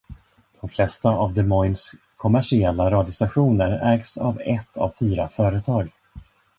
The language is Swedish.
De flesta av Des Moines kommersiella radiostationer ägs av ett av fyra företag.